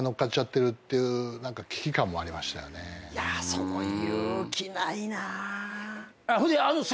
その勇気ないな。